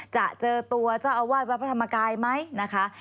จะเจอตัวจะเอาวัดวัดธรรมกายไหมนะคะ